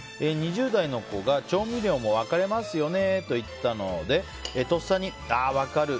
２０代の子が調味料も分かれますよねと言ったので、とっさに分かる！